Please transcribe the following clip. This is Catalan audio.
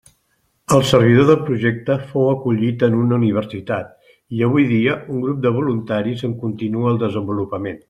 El servidor del projecte fou acollit en una universitat, i avui dia un grup de voluntaris en continua el desenvolupament.